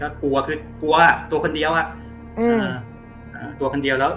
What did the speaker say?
ก็กลัวคือกลัวอ่ะตัวคนเดียวอ่ะอืมอ่าตัวคนเดียวแล้ว